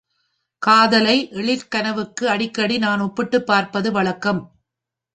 காதலை எழிற்கனவுக்கு அடிக்கடி நான் ஒப்பிட்டுப் பார்ப்பது வழக்கம்.